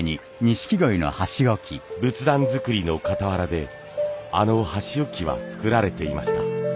仏壇作りのかたわらであの箸置きは作られていました。